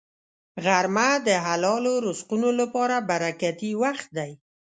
غرمه د حلالو رزقونو لپاره برکتي وخت دی